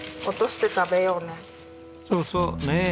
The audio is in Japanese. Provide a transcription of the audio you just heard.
落として食べようね。